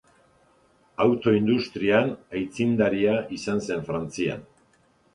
Auto industrian aitzindaria izan zen Frantzian.